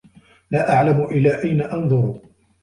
لا أعلم إلى أين أنظر.